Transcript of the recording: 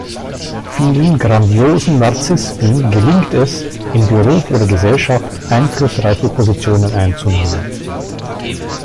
Vielen grandiosen Narzissten gelingt es, in Beruf oder Gesellschaft einflussreiche Positionen einzunehmen.